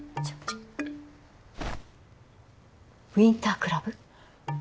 ウインタークラブ？